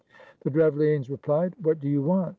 The Drevlianes replied, "What do you want?